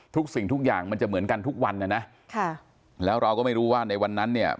สิ่งทุกอย่างมันจะเหมือนกันทุกวันนะนะค่ะแล้วเราก็ไม่รู้ว่าในวันนั้นเนี่ย